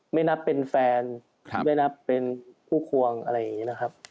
ไม่นับเป็นแฟนไม่นับเป็นผู้ควงอะไรอย่างนี้นะครับ